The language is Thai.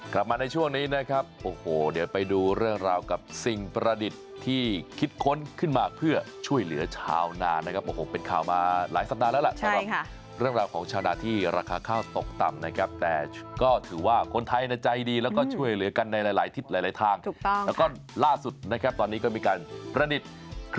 กลับมาในช่วงนี้นะครับโอ้โหเดี๋ยวไปดูเรื่องราวกับสิ่งประดิษฐ์ที่คิดค้นขึ้นมาเพื่อช่วยเหลือชาวนานะครับโอ้โหเป็นข่าวมาหลายสัปดาห์แล้วล่ะสำหรับเรื่องราวของชาวนาที่ราคาข้าวตกต่ำนะครับแต่ก็ถือว่าคนไทยในใจดีแล้วก็ช่วยเหลือกันในหลายทิศหลายทางถูกต้องแล้วก็ล่าสุดนะครับตอนนี้ก็มีการประดิษฐ์